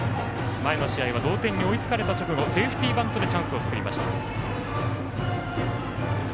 前の試合は同点に追いつかれた直後セーフティーバントでチャンスを作りました。